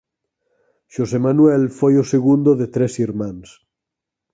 Xosé Manuel foi o segundo de tres irmáns.